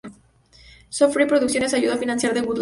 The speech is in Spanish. Scott Free producciones ayudó a financiar The Good Wife.